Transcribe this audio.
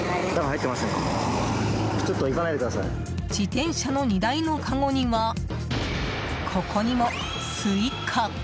自転車の荷台のかごにはここにもスイカ！